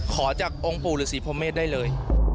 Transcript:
ขอจากองค์ปู่หรือศรีพรหมเมฆได้เลย